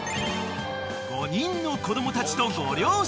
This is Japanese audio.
［５人の子供たちとご両親］